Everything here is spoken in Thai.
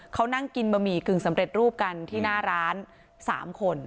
เขานั่งกินบะหมี่กึ่งสำเร็จรูปกันที่หน้าร้าน๓คน